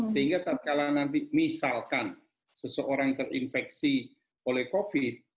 sehingga tak kalah nanti misalkan seseorang terinfeksi oleh covid